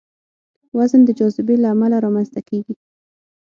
وزن د جاذبې له امله رامنځته کېږي.